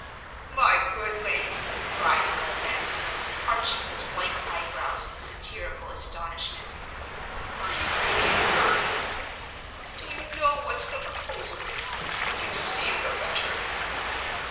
"My good lady!" cried Noel Vanstone, arching his white eyebrows in satirical astonishment. "Are you really in earnest? Do you know what the proposal is? Have you seen the letter?"